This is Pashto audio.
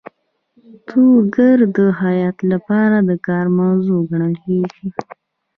ټوکر د خیاط لپاره د کار موضوع ګڼل کیږي.